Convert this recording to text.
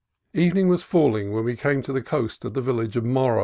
Evening was falling as we came to the coast at the village of Morro.